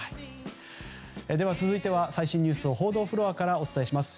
では、続いて最新ニュースを報道フロアからお伝えします。